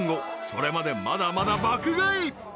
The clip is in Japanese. それまでまだまだ爆買い］